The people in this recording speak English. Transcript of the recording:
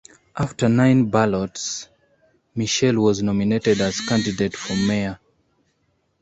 After nine ballots, Mitchel was nominated as a candidate for mayor.